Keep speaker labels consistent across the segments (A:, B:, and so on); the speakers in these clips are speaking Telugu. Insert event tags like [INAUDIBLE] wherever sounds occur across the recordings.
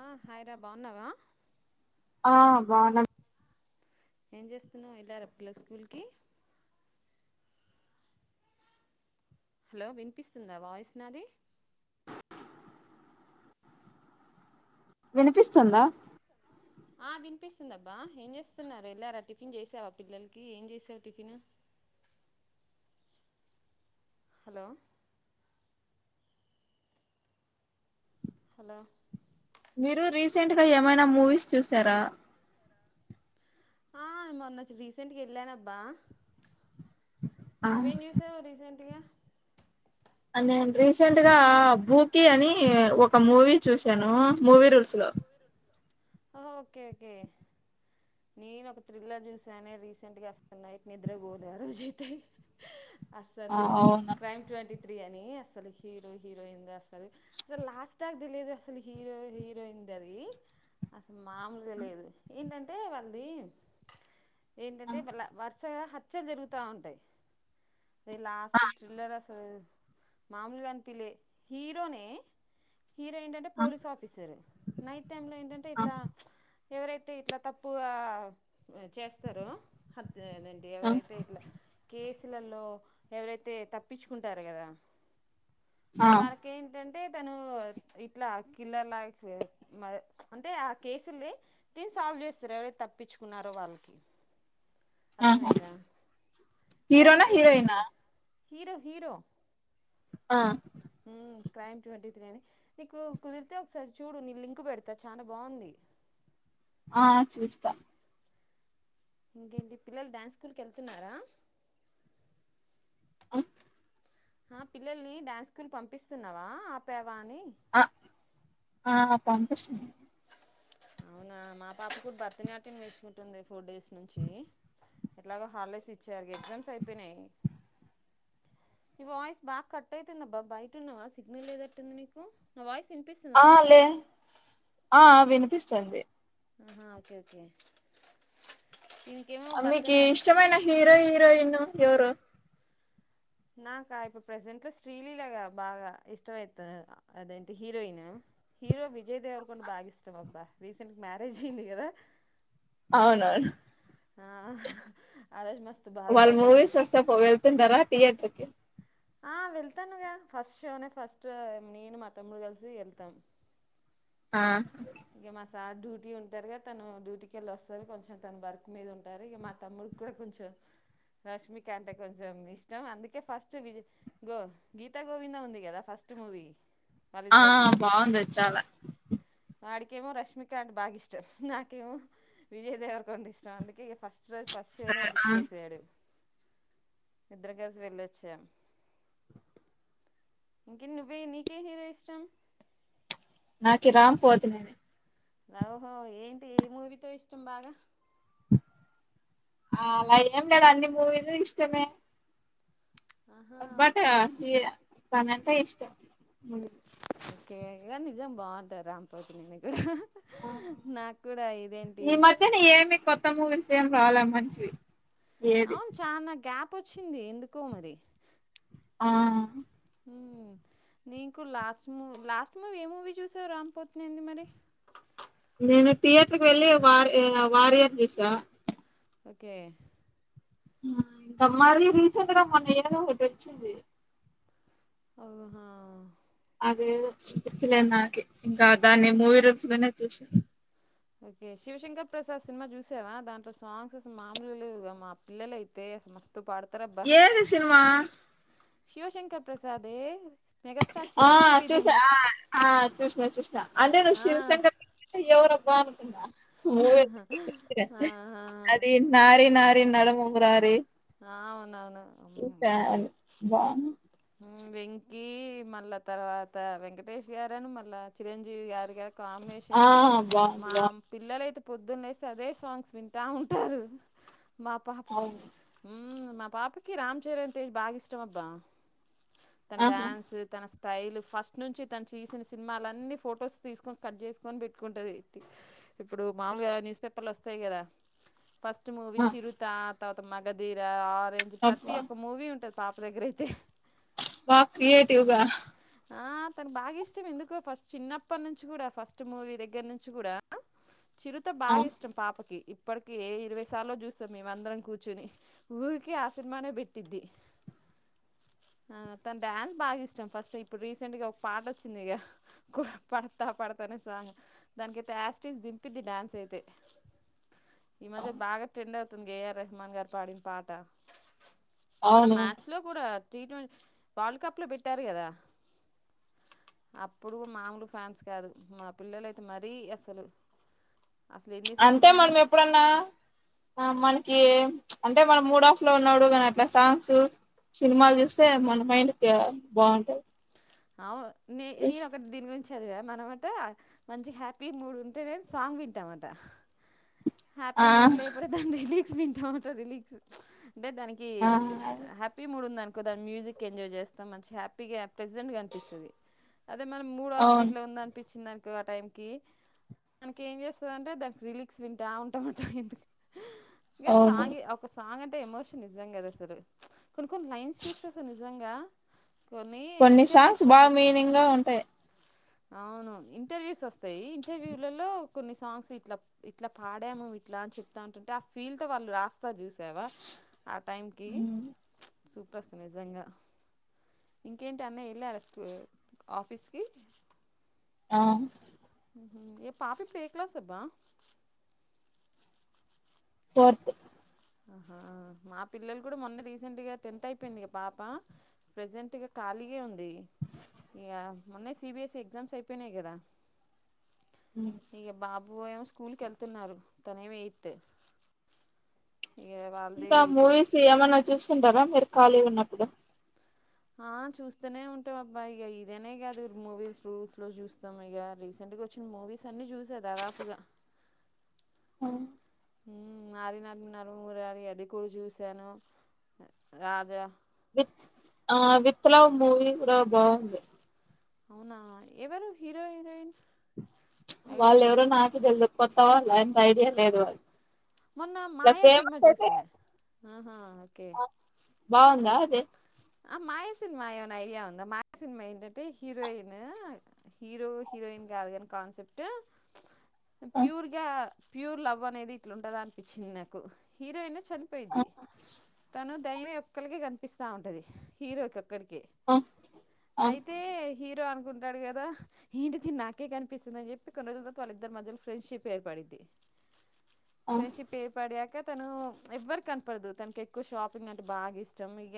A: ఆ హాయ్ రా బాగున్నావా
B: ఆ బాగున్నా
A: ఏం చేస్తున్నావ్ ఎళ్ళారా పిల్లలు స్కూల్కి హలో వినిపిస్తుందా వాయిస్ నాది హలో
B: విన్పిస్తుందా
A: ఆ వినిపిస్తుందబ్బా ఏం చేస్తున్నారు. ఎళ్ళారా టిఫిన్ చేసావా పిల్లల్కి ఏం చేసావ్ టిఫిన్ హలో హలో
B: మీరు రీసెంట్గా ఏమైనా మూవీస్ చూశారా
A: ఆ మొన్న రీసెంట్గా ఎళ్ళానబ్బా నువ్వేం చేసావ్ రీసెంట్గా
B: నేన్ రీసెంట్గా బూతి అని ఒక మూవీ చూశాను. మూవీ రూల్స్ లో
A: ఓకే ఓకే నేన్ ఒక థ్రిల్లర్ చూసానే రీసెంట్గా అసల్ నైట్ నిద్రపోలే ఆ రోజయితే
B: ఆ
A: అస్సలు
B: అవునా
A: క్రైమ్ ట్వంటీ త్రీ అని అసలు హీరో హీరోయిన్ది అసలు అసల్ లాస్ట్ దాకా తెలీదు అసలు హీరో హీరోయిన్ది అది అసల్ మామూల్గ లేదు ఏంటంటే వాళ్ళది ఏంటంటే మళ్ళ వర్సగా హత్యలు జరుగుతా ఉంటాయి. అదే లాస్ట్ థ్రిల్లర్ అసల్ మాముల్గా అన్పిలే హీరోనే హీరో ఏంటంటే పోలీస్ ఆఫీసర్ నైట్ టైంలో ఏంటంటే ఇట్లా ఎవరైతే ఇట్లా తప్పుగా చేస్తారో తే అదేంటి ఎవరైతే ఇట్ల కేస్ లల్లో ఎవరైతే తప్పించుకుంటార్ కదా వారికేంటం అంటే తను ఇట్లా కిల్లర్ల అంటే ఆ కేసులుది తిను సాల్వ్ చేస్తారు ఎవరైతే తప్పించుకున్నారో వాళ్ళకి అర్థమైందా క్రైమ్
B: హీరోనా
A: ట్వంటీ
B: హీరోయినా
A: త్రీ హీరో హీరో
B: ఆ
A: హ్మ్ క్రైమ్ ట్వంటీ త్రీ అని నీకు కుదిరితే ఒకసారి చూడు నిను లింక్ పెడతా చానా బావుంది
B: ఆ చూస్తా
A: ఇంకేంటి పిల్లలు డ్యాన్స్ స్కూల్కి ఎళ్తున్నారా
B: అ
A: ఆ పిల్లల్ని డ్యాన్స్ స్కూల్ పంపిస్తున్నావా ఆ
B: ఆ ఆ పంపిస్తున్న
A: అవునా మా పాప కూడా భరతనాట్యం నేర్చుకుంటుంది ఫోర్ డేస్ నుంచి ఎట్లాగో హార్లెస్ ఇచ్చారు ఎగ్జామ్స్ అయిపోయినాయి నీ వాయిస్ బాగా కట్ అయితుంది అబ్బా బయటన్నావా సిగ్నల్ లేదట్టుంది నీకు నా వాయిస్ ఇ
B: ఆ లే ఆ వినిపిస్తుంది
A: ఆ ఓకే ఓకే దీనికేమో
B: అ మీకి
A: భరతనాట్యం
B: ఇష్టమైన హీరో హీరోయిన్ ఎవరు
A: నాక ఇప్పుడు ప్రజెంట్లో శ్రీలీలాగా బాగా ఇష్టం మైతే అదేంటి హీరోయిన్ హీరో విజయ్ దేవరకొండ బాగా ఇష్టం అబ్బా రీసెంట్గా మ్యారేజ్ అయింది కదా
B: అవునవును
A: ఆ ఆ రోజు మస్త్
B: వాళ్ళు మూవీస్ వస్తే పో వెళ్తుంటారా థియేటర్ కి
A: ఆ వెళ్తానుగా ఫస్ట్ షోనే ఫస్ట్ నేను మా తమ్ముడు కలిసి వెళ్తాం
B: ఆ
A: ఇంగా మా సార్ డ్యూటీ ఉంటారుగా తను డ్యూటీకి ఎల్లి వస్తారు కొంచెం తను వర్క్ మీద ఉంటారు ఇంగా మా తమ్ముడికి కూడా కొంచెం రష్మిక అంటే కొంచెం ఇష్టం అందుకే ఫస్ట్ విజయ్ గో గీతా గోవిందం ఉంది కదా ఫస్ట్ మూవీ
B: ఆ
A: వాళ్ళిద్దరిది
B: బాగుందది చాలా
A: వాడికేమో రష్మిక అంటే బాగా ఇష్టం నాకేమో విజయ్ దేవరకొండ ఇష్టం అందుకే ఇగ ఫస్ట్ రోజు ఫస్ట్ షో నే
B: సరే
A: బుక్
B: ఆ
A: చేసాడు ఇద్దరం కలిసి వెళ్ళొచ్చాం ఇంకే నువ్వే నీకే హీరో ఇష్టం
B: నాకి రామ్ పోతినేని
A: ఓహో ఏంటి ఏ మూవీతో ఇష్టం బాగా
B: ఆ అలా ఏం లేదు అన్ని మూవీలు ఇష్టమే
A: ఆహా
B: బట్ ఆ
A: ఓకే
B: హి తనంటే ఇష్టం
A: ఓకే నిజం బాగుంటారు రామ్ పోతినేని కూడా హహ
B: ఆ
A: నాకు కూడా ఇదేంటి
B: త్త మూవీస్ ఏం రాలే మంచివి. ఏది
A: అవున్ చానా గ్యాప్ ప్పొచ్చింది ఎందుకో మరి.
B: ఆ
A: నీకు లాస్ట్ మూ లాస్ట్ మూవీ ఏ మూవీ చూసావు, రామ్ పోతినేనిది మరి.
B: నేను థియేటర్కి వెళ్ళి వార్ ఆ ఇ వారియర్ చూసా.
A: ఓకే
B: ఇంకా మారి రీసెంట్గా మొన్న ఏదో ఒకటొచ్చింది.
A: ఆహా
B: అదేదో గుర్తులే నాకే, ఇంకా దాన్ని మూవీ రూల్స్ లోనే చూస్నా
A: ఓకే శివశంకర్ ప్రసాద్ సినిమా చూసావా దాంట్లో సాంగ్స్ అసలు మామూలుగా లేవుగా, మా పిల్లలయితే అసలు మస్త్ త్ పాడతరబ్బా.
B: ఏది సినిమా
A: శివశంకర్ ప్రసాదే మెగాస్టార్
B: ఆ
A: చిరంజీవిది
B: చూసా
A: మచ్
B: ఆ ఆ చూసిన చూసిన అంటే నువ్వు
A: ఆ,
B: శివశంకర్ ప్రస్ అంటే ఎవరబ్బా అన్ కున్న మూవీ
A: ఆ,
B: అది నారీ నా నడమ మురారి
A: ఆ అవునవును,
B: అది. బాగుంది
A: ఉ వెం కీ మళ్ళా తర్వాత, వెంకటేష్ గారని మళ్ళా చిరంజీవి గారుగ
B: ఆ
A: కాంబినేషన్
B: బాగుంది
A: మా
B: బాగుంది
A: పిల్లలయితే పొద్దున్న లేస్తే అదే సాంగ్స్ వింటా ఉంటారు. మా పాపకి
B: అవును
A: ఉమ్ మా పాపకి రామ్ చరణ్ తేజ్ బాగా ఇష్టం అబ్బా. తన
B: ఆహా
A: డ్యాన్సు తన స్ స్టైల్ ఫస్ట్ నుంచి తను చేసిన సినిమాలన్నీ ఫొటోస్ తీసుకొని కట్ చేసుకొని పెట్టుకుంటది, ఇప్పుడు మాముూలుగా న్యూస్ పేపర్లు వస్తయి కదా ఫస్ట్ ట్ మూవీ
B: ఆ
A: చిరుతా తాత మ మగధీర ఆర్ రెంజ్ ప్రతి
B: అబ్బా
A: ఒక్క మూవీ ఉం పాప దగ్గర అయితే
B: వా క్రియేటివ్ గా
A: ఆ తను బాగా ఇష్టం ఎందుకో ఫస్ట్ చిన్నప్పటి నుంచి గుడ, ఫస్ట్ మూవీ దగ్గర నుంచి గుడా చిరుత
B: ఆ
A: బాగా ఇష్టం పాపకి. ఇప్పటిక ఇరవై సార్లో చూస్తాం మేమందరం కూర్ కూర్చొని ఊరికి ఆ సినిమానే పెట్టిద్ది, ఆ తన డ్యాన్స్ బాగా ఇష్టం ఫస్ట్ ఇప్పుడు రీసెంట్గా ఒక పాట వచ్చిందిగ, కు పడతా పడతనే సాంగ్ దానికైతే యాస్టీజ్ దింపిద్ది డ్యాన్స్ అయితే. ఈ మధ్య బాగ ట్రెండ్ అవుత్ తున్ గేయర్ తమన్ గారు పాడిన పాట మనం
B: అవును
A: మ్యాచ్ లో కూడా, టీ ట్వంటీ వరల్డ్ కప్లో పెట్టారు, కదా అప్పుడు మాములు ఫ్యాన్స్ కాదు మా పిల్లలయితే మరీ అసలు, అసలు ఎన్నిసార్లు
B: అంతే
A: విన్నా
B: మనం ఎప్పుడన్నా మన అంటే మనం మూడ్ ఆఫ్ లో ఉన్నాడు, కానీ అట్లా సాంగ్స్ సినిమాలు చూస్తే మన మైండ్ బా బాగుంటాది.
A: అవు ని నేను ఒకటి దీని గురించి, చదివా మనం అట మంచి హ్యాపీ మూడ్ ఉంటే నే సాంగ్ వింటాం అట, హ్యాపీ
B: ఆ
A: మూడు లేపోతే దాని, వింటా ఉంటే రిలీఫ్, అంటే దానికి
B: ఆ
A: హ్యాపీ మూడ్ ఉందాని, దాని మ్యూజిక్ ఎజాయ్ చేస్తాం మంచి హ్యాపీగా ప్రేజెంట్ గా, పీస్తది, అదే మనం మూడ్ ఆఫ్
B: అవును
A: గిట్ల ఉందా అనిపించిందాని, ఆ టైమ్ కి మనకి ఏం చేస్తుంది, అంటే దానికి రిలీక్స్ వింటా ఉంటా అట ఎందుకు, ఇగా
B: అవును
A: సాంగ్ గే ఒక సాంగ్, అంటే ఎమోషన్ నిజంగా అది అసలు, కొన్ని కొన్ని లైన్స్ చూస్తే అసలు నిజంగా, కొన్ని
B: సాంగ్స్
A: ఇంటర్వ్యూస్లో
B: బాగా
A: చూస్తా
B: మీనింగ్ గా ఉంటాయి.
A: అవును ఇంటర్వ్యూస్ వస్తాయి. ఇంటర్వ్యూలలో కొన్ని సాంగ్స్ ఇట్లా ఇట్లా పాడాము ఇట్లా అని చెప్తా ఉంటుంటే ఆ ఫీల్తో వాళ్ళు రాస్తారు. చూ సేవ ఆ టైమ్ కి
B: హ్మ్.
A: సూపర్స్ నిజంగా ఇంకేంటి అన్నయ వేలారా స్కూ ఆఫీస్ కి
B: ఆ
A: ఏ పాప ఇప్పుడు ఏ క్లాస్ అబ్బా,
B: ఫోర్త్
A: ఆహా మా పిల్లలు కూడా మొన్న రీసెంట్గా టెన్త్ అయిపోయింది. పాప ప్రెజెంట్ గా ఖాళ్ళి గా ఉంది. ది ఇగా మొన్నే సిబీఎస్ఈ ఎగ్జామ్స్ అయిపోయినాయి కదా,
B: హ్మ్.
A: ఇగా బాబూ బాయ్స్ ఏమో స్కూల్కి వెళ్తున్నారు తనేమో ఎయిత్, ఇక వాళ్ళది
B: ఇంకా
A: ఇప్పుడు
B: మూవిస్ ఏమన్నా చుస్ తుంటారా మీరు ఖాళీ ఉన్నప్పుడు,
A: ఆ చూస్తూనే ఉంటాం అబ్బా ఇక ఇదనే కాదు మూవీస్ రూల్స్లో చూస్తాం, ఇక రీసెంట్గా వచ్చిన మూవీస్ అన్ని చూసా దాదాపుగా,
B: హు
A: నారి నారా నరమూరారి అది కూడా చూశాను, రాజా
B: విత్ ఆ విత్ లావ్ మూవి కూడా బాంది
A: అవునా ఎవరు హీరో హీరోయిన్ ఐడియా
B: వాళ్ళ
A: లేదు
B: ఎవరో నాకు తెల్డు కొత్తవాళ్ళ అంత ఐడియా లేదు
A: మొన్న
B: ఇలా
A: మాయా సినిమా
B: ఫేమస్ అయితే
A: జూసా ఆహా ఓకే
B: బాగుందా అదే
A: ఆ మాయా సినిమా ఏమనా ఐడియా ఉందా మాయా సినిమా ఏంటంటే హీరోయిన్ హీరో హీరోయిన్ కాదు కాని కాన్సెప్ట్
B: ఆ
A: ప్యూర్గా ప్యూర్ లవ్ అనేది ఇట్లాంటదా అనిపించింది నాకు హీరోయిన్
B: ఆ!
A: చనిపోయిద్ది తను తైన ఒక్కలకి కనిపిస్తా టది హీరోక అక్కడికి
B: ఆ! ఆ!
A: అయితే హీరో అను ఉంటాడు కదా ఎంటి తిని నాకే కనిపిస్తుందిని చెప్పి కొన్ని రోజుల తత వాళ్ళిద్దరు మధ్యలో ఫ్రెండ్షిప్ ఏర్పడిద్ది
B: ఆ!
A: ఫ్రెండ్షిప్ ఏర్పడ్యాక తను ఎవ్వరి కనపడదు తనకి ఎక్కువ షాపింగ్ అంటే బాగా ఇష్టం ఇక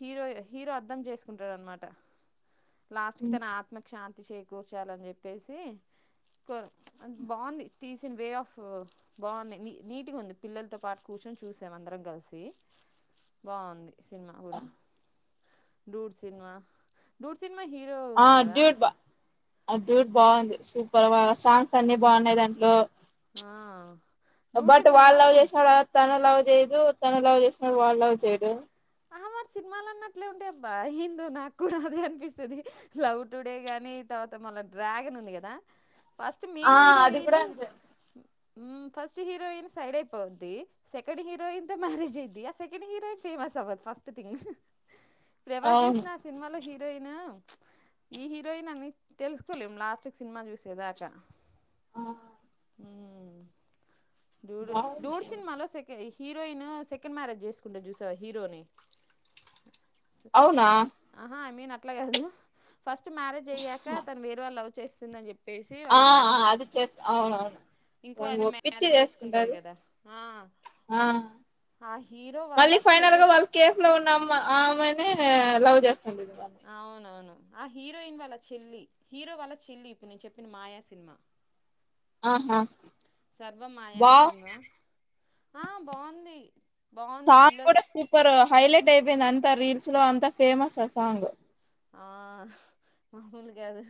A: హీరోయ హీరో అర్థం చేసుకుంటాడ అనమాట లాస్ట్ క
B: హ్మ్.
A: తన ఆత్మక్షాంతి చేకూర్చాలని చెప్పేసి బాగుంది తీసిన వే ఆఫ్ బాగుంది నీట్గా ఉంది పిల్లలతో పాటు కూర్చొని చూసాం అందరం కలిసి బాగుంది కూడా డూడ్ సినిమా డూడ్సి
B: ఆ డ్యూడ్ బా డ్యూడ్ బాగుంది సూ పర్ మా సాంగ్స్ అన్నిీ బాగున్నాయి దాంట్లో
A: ఆ, డూడ్
B: బట్ వాడు
A: సినిమాలో
B: లవ్ చేసిన దాన్ని తన లవ్ చేయదు తన లవ్ చేసినడు వాళ్ళు లవ్ చేయదు
A: ఆహ వాడి సినిమాలు అన్నట్లే ఉంటే అబ్బా ఏందో నాకు కూడా అద అనిపిస్తుది లవ్ టుడే గాని తర్వాత మళ్ళా డ్రాగన్ ఉంది కదా ఫస్ట్
B: ఆ
A: మెయిన్
B: అది
A: హీరోయిన్
B: కూడా అంతే
A: ఫస్ట్ హీరోయిన్ సైడ్ అయిపోద్ది సెకండ్ హీరోయి తో మ్యారేజ్ అయిద్ది ఆ సెకండ్ హీరోయిన్ ఫేమస్ అవ్వద్ ఫస్ట్ థింగ్ ఎవరు
B: అవును
A: చూసిన ఆ సినిమాలో హీరోయిన్ ఈ హీరోయిన్ అని తెలుసుకోలేము లాస్ట్ సినిమా చూసేదాకా
B: ఆ
A: డూడు
B: బాగుంది
A: డూడ్సిన్మ లోసెక హీరోయిన్ సెకండ్ మ్యారేజ్ జేసుకుంటే చూసావ హీరోని
B: అవునా
A: అట్ల గాదు ఫస్ట్ మ్యారేజ్ అయ్యాక తను వేరే వాళ్ళు అ చేస్తుందని చెప్
B: ఆ అది చేస్ అవునవును
A: ఇంకో ఆయన
B: వానిఒప్పించి
A: మ్యారేజ్
B: చేసుకుంటది
A: కదా ఆ
B: ఆ
A: ఆ హీరో వాళ్ళ
B: మళ్ళీ ఫైనల్గా
A: చెల్లి
B: వాళ్ళు కే లో ఉన్న అమ్మ ఆ అమ్మాయినే లవ్ చేస్
A: అవునవును. ఆ హీరోయిన్ వాళ్ళ చెల్లి. హీరో వాళ్ళ చెల్లి ఇప్పుడు నేను చెప్పిన మాయా సినిమా.
B: ఆహా
A: సర్వ మాయ అనే
B: బావ్
A: సినిమా ఆ బావుంది.
B: సాంగ్ కూడా సూపర్ హైలైట్ అయిపోయింది అంత రీల్ స్లో అంతా ఫేమస్ ఆ సాంగ్.
A: ఆ మామూలు కాదు.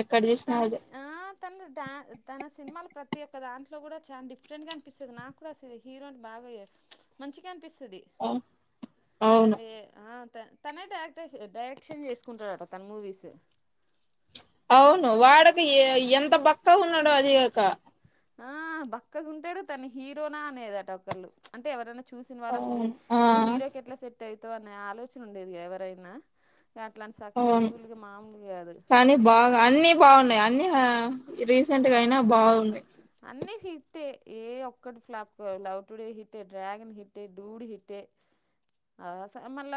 B: ఎక్కడ చూసినా
A: తన్ది
B: అదే
A: ఆ తన్ధి తా తన సినిమాలు ప్రతి ఒక్క దాంట్లో కూడా చానా డిఫరెంట్ గా అనిపిస్తది. నాకు కూడా అసలు హీరోయిని బాగ చ్ మంచిగా పిస్తది
B: అవును
A: తనవే ఆ త తనే డైరెక్టర్ డైరెక్షన్ చేసుకుంటాడట తన మూవీస్.
B: అవును వాడికి ఎంత బక్కగా ఉన్నాడో అదిగాక
A: ఆ బక్కగా ఉంటడు తను హీరోనా అనేది అట ఒకళ్ళు అంటే ఎవరన్నా చూసిన వారు అసలు
B: అవును ఆ
A: నువ్వు హీరోకి ఎట్లా సెట్ అయి [UNINTELLIGIBLE] అనే ఆలోచన ఉండేది ఎవరైనా అట్లాంటి
B: అవును
A: సక్సెస్ఫుల్గా మామూలు కాదు
B: కానీ బాగా అన్ని బాగున్నయి అన్ని ఆ రీసెంట్ గా అయినా బావున్నయి.
A: అన్నీ హిట్టే ఏ ఒక్కటి ఫ్లాప్ లవ్ టుడే హిట్టే, డ్రాగన్ హిట్టే, డూడ్ హిట్టే ఆ స మళ్ళా